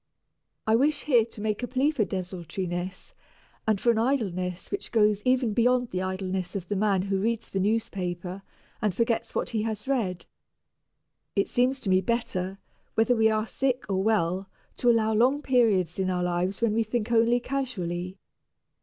I wish here to make a plea for desultoriness and for an idleness which goes even beyond the idleness of the man who reads the newspaper and forgets what he has read. It seems to me better, whether we are sick or well, to allow long periods in our lives when we think only casually.